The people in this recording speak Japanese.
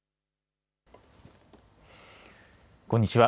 こんにちは。